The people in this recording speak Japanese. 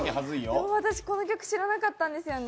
私、この曲知らなかったんですよね。